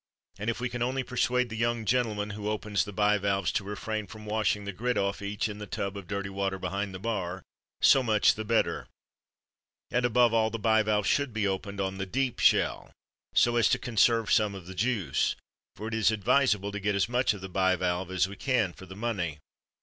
And if we can only persuade the young gentleman who opens the bivalves to refrain from washing the grit off each in the tub of dirty water behind the bar, so much the better. And above all, the bivalves should be opened on the deep shell, so as to conserve some of the juice; for it is advisable to get as much of the bivalve as we can for the money.